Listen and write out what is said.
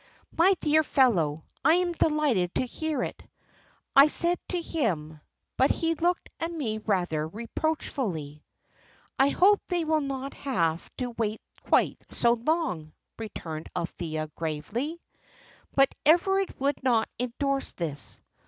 'My dear fellow, I am delighted to hear it,' I said to him; but he looked at me rather reproachfully." "I hope they will not have to wait quite so long," returned Althea, gravely. But Everard would not endorse this.